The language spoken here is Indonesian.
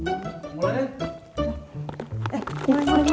eh mulai mulai mulai